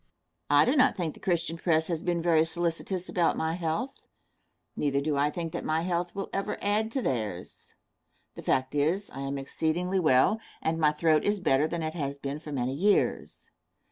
Answer. I do not think the Christian press has been very solicitous about my health. Neither do I think that my health will ever add to theirs. The fact is, I am exceedingly well, and my throat is better than it has been for many years.